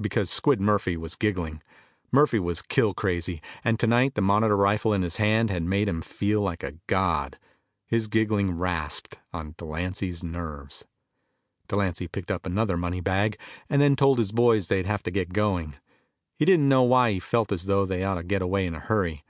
Because Squid Murphy was giggling. Murphy was kill crazy, and tonight the Monitor rifle in his hands had made him feel like a god. His giggling rasped on Delancy's nerves. Delancy picked up another money bag, and then told his boys they'd have to get going. He didn't know why he felt as though they ought to get away in a hurry.